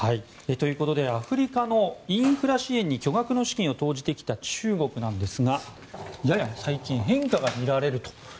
アフリカのインフラ支援に巨額の資金を投じてきた中国なんですがやや最近、変化が見られると。